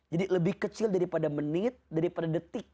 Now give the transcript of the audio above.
jadi lebih kecil daripada menit daripada detik